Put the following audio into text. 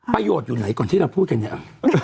ประโยชน์อยู่ไหนก่อนที่เราพูดกันเนี่ย